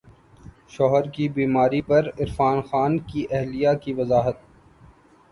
شوہر کی بیماری پر عرفان خان کی اہلیہ کی وضاحت